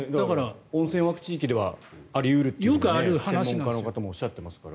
温泉が湧く地域ではあり得るって専門家の方もおっしゃってますから。